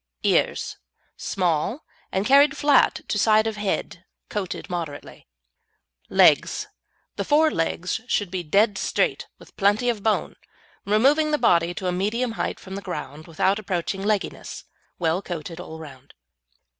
EARS Small, and carried flat to side of head, coated moderately. LEGS The fore legs should be dead straight, with plenty of bone, removing the body to a medium height from the ground, without approaching legginess; well coated all round.